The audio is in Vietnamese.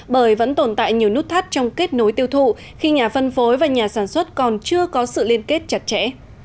bởi vẫn tồn tại nhiều nút thắt trong kết nối tiêu thụ khi nhà phân phối và nhà sản xuất còn chưa có sự liên kết chặt chẽ